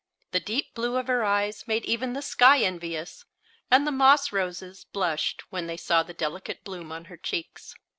The deep blue of her eyes made even the sky envious, and the moss roses blushed when they saw the delicate bloom on her cheeks.